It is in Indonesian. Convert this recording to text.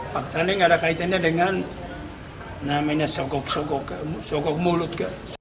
faktanya yang ada kaitannya dengan namanya sokok sokok mulut